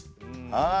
はい。